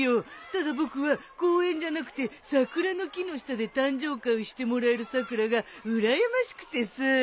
ただ僕は公園じゃなくて桜の木の下で誕生会をしてもらえるさくらがうらやましくてさ。